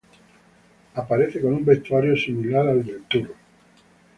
Aparece con un vestuario similar al del tour.